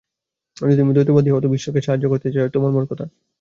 যদি তুমি দ্বৈতবাদী হও, তবে ঈশ্বরকে সাহায্য করতে চাওয়াই তোমার মূর্খতা।